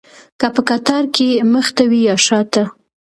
که په قطار کې مخته وي یا شاته.